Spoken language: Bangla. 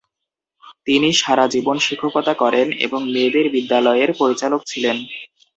তিনি সারা জীবন শিক্ষকতা করেন এবং মেয়েদের বিদ্যালয়ের পরিচালক ছিলেন।